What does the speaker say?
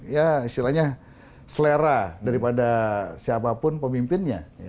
ya istilahnya selera daripada siapapun pemimpinnya